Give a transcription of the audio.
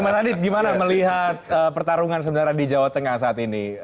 mas adit gimana melihat pertarungan sebenarnya di jawa tengah saat ini